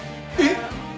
えっ！？